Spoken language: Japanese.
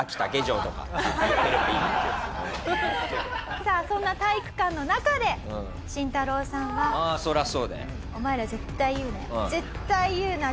さあそんな体育館の中でシンタロウさんは「お前ら絶対言うなよ。